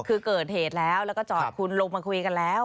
คือเกิดเหตุแล้วแล้วก็จอดคุณลงมาคุยกันแล้ว